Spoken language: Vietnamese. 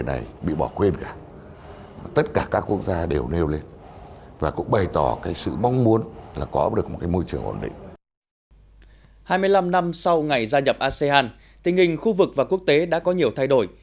hai mươi năm năm sau ngày gia nhập asean tình hình khu vực và quốc tế đã có nhiều thay đổi